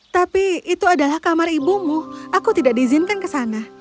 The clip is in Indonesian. tapi itu adalah kamar ibumu aku tidak diizinkan ke sana